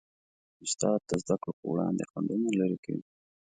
استاد د زدهکړو په وړاندې خنډونه لیرې کوي.